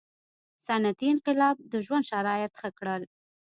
• صنعتي انقلاب د ژوند شرایط ښه کړل.